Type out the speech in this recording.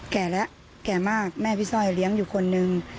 แก่แล้วแก่มากแม่พี่สร้อยเลี้ยงอยู่คนนึง